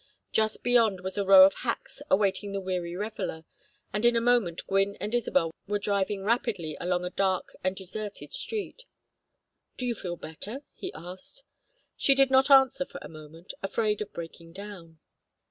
Just beyond was a row of hacks awaiting the weary reveller, and in a moment Gwynne and Isabel were driving rapidly along a dark and deserted street. "Do you feel better?" he asked. She did not answer for a moment, afraid of breaking down.